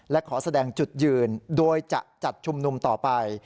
และขอแสดงจุดยืนโดยจะจัดชุมนุมต่อไป